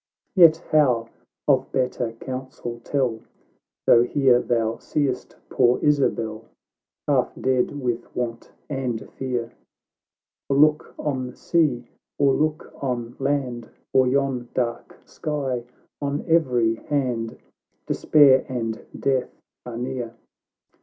Yet how of better counsel tell, Though here thou seest poor Isabel Half dead with want and fear; For look on sea, or look on land, Or yon dark sky, on every hand Despair and death are near.